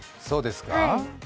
そうですか？